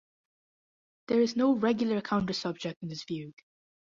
There is no regular counter-subject in this fugue.